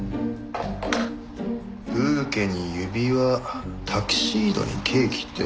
ブーケに指輪タキシードにケーキって。